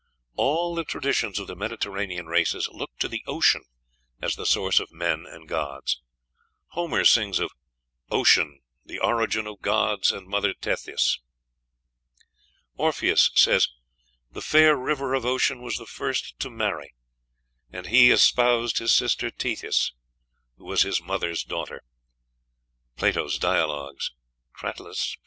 All the traditions of the Mediterranean races look to the ocean as the source of men and gods. Homer sings of "Ocean, the origin of gods and Mother Tethys." Orpheus says, "The fair river of Ocean was the first to marry, and he espoused his sister Tethys, who was his mothers daughter." (Plato's "Dialogues," Cratylus, p.